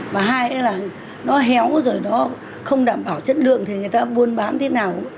và hai là nó héo rồi nó không đảm bảo chất lượng thì người ta buôn bán thế nào